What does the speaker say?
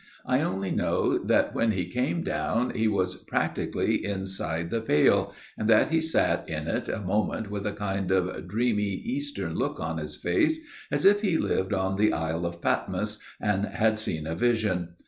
I only know that when he came down he was practically inside the pail, and that he sat in it a moment with a kind of dreamy eastern look on his face, as if he lived on the isle of Patmos and had seen a vision.